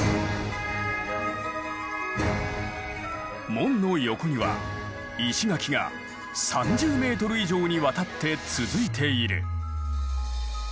門の横には石垣が３０ｍ以上にわたって続いている。